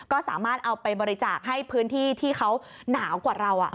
ก็สามารถเอาไปบริจาคให้พื้นที่ที่เขาหนาวกว่าเรา